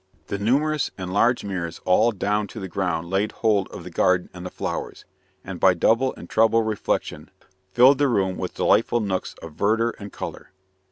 The numerous and large mirrors all down to the ground laid hold of the garden and the flowers, and by double and treble reflection filled the room with delightful nooks of verdure and color.